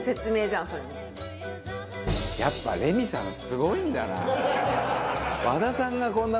やっぱレミさんすごいんだな。